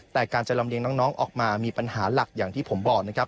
แต่การจะลำเลียงน้องออกมามีปัญหาหลักอย่างที่ผมบอกนะครับ